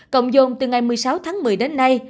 cộng dồn từ ngày một mươi sáu tháng một mươi đến nay